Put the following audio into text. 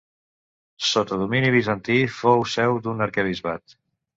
Sota domini bizantí fou seu d'un arquebisbat.